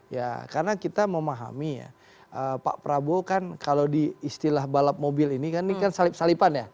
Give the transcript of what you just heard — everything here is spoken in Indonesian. ya karena kita memahami ya pak prabowo kan kalau di istilah balap mobil ini kan ini kan salip salipan ya